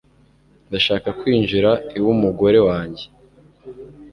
ndashaka kwinjira iw'umugore wanjye